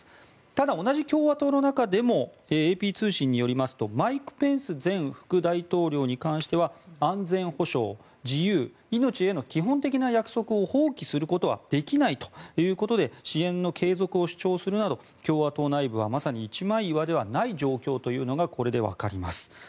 ただ同じ共和党の中でもＡＰ通信によりますとマイク・ペンス前副大統領に関しては安全保障、自由、命への基本的な約束を放棄することはできないということで支援の継続を主張するなど共和党内部はまさに一枚岩ではない状況がこれで分かります。